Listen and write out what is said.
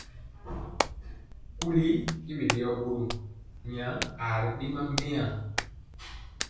Kuli i biɗeyɔ ɓorom, mya aa ri ɗema mbeyaa.